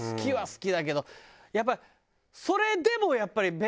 やっぱり。